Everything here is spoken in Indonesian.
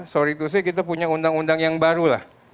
sorry to say kita punya undang undang yang baru lah